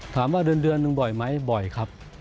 ถามว่าเดือนหนึ่งบ่อยไหมบ่อยครับ